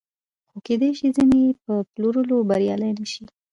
خو کېدای شي ځینې یې په پلورلو بریالي نشي